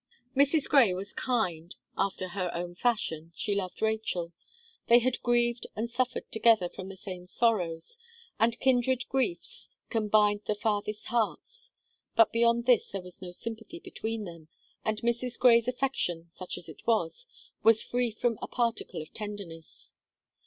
Mrs. Gray was kind; after her own fashion, she loved Rachel. They had grieved and suffered together from the same sorrows, and kindred griefs can bind the farthest hearts; but beyond this there was no sympathy between them, and Mrs. Gray's affection, such as it was, was free from a particle of tenderness.